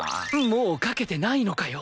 もう賭けてないのかよ